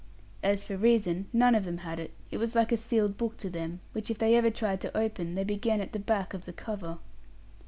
As for reason, none of them had it; it was like a sealed book to them, which if they ever tried to open, they began at the back of the cover.